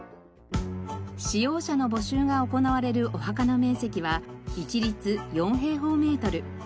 使用者の募集が行われるお墓の面積は一律４平方メートル。